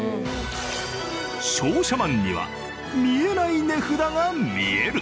商社マンには見えない値札が見える。